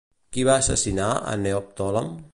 Qui va assassinar a Neoptòlem?